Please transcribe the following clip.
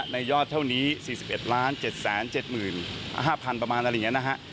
ในยอดเท่านี้๔๑๗๗๕๐๐๐บาทประมาณอะไรอย่างนี้